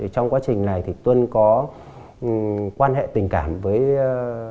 trong quá trình này tuân có quan hệ tình cảm với một cô gái tên là lưu thị nguyễn nhi